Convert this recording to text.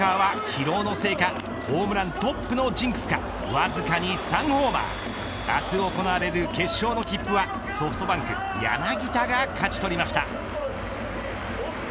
疲労のせいかホームラントップのジンクスかわずかに３ホーマー明日行われる決勝の切符はソフトバンク柳田が勝ち取りました。